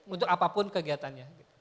untuk apapun kegiatannya